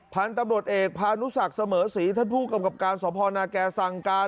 พันธุ์ตำรวจเอกพานุสักเสมอศรีท่านผู้กำกับการสพนาแก่สั่งการ